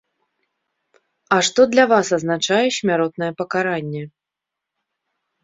А што для вас азначае смяротнае пакаранне?